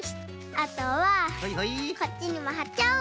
あとはこっちにもはっちゃおう。